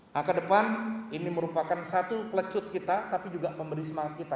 nah ke depan ini merupakan satu pelecut kita tapi juga memberi semangat kita